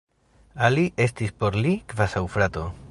Ali estis por li kvazaŭ frato.